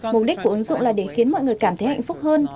mục đích của ứng dụng là để khiến mọi người cảm thấy hạnh phúc hơn